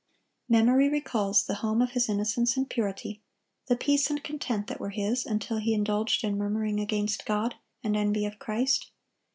Memory recalls the home of his innocence and purity, the peace and content that were his until he indulged in murmuring against God, and envy of Christ.